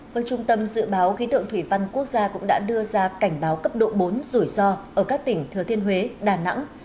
với trung tâm dự báo khí tượng thủy văn quốc gia cũng đã đưa ra cảnh báo cấp độ bốn rủi ro ở các tỉnh thừa thiên huế đà nẵng